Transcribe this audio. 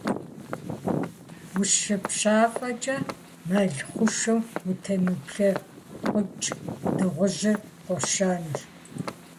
УщыпщафӀэкӀэ мэл хъушэм утемыплъэкъукӀ: Дыгъужьыр къощэнущ.